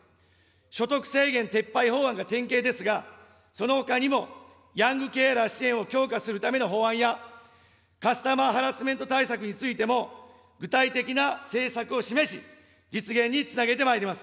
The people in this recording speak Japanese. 所得制限撤廃法案が典型ですが、そのほかにも、ヤングケアラー支援を強化するための法案や、カスタマーハラスメント対策についても、具体的な政策を示し、実現につなげてまいります。